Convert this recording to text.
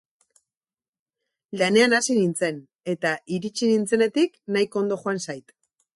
Lanean hasi nintzen, eta iritsi nintzenetik nahiko ondo joan zait.